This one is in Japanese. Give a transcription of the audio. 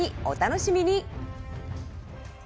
お楽しみに。